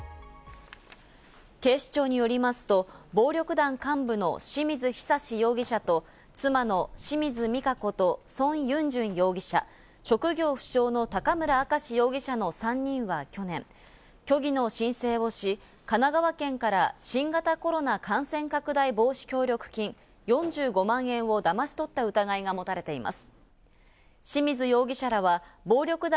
警視庁によりますと、暴力団幹部の清水久司容疑者と、妻の清水みかこと、ソン・ユンジュン容疑者、職業不詳の高村明志容疑者の３人は去年、虚偽の申請をし、神奈川県から新型コロナ感染拡大防止協力金、４５万円をだまし取った疑いが持たれています。